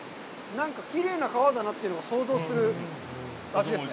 なんか、きれいな川だなというのが想像できる味ですね。